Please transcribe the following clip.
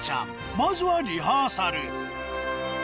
まずはリハーサル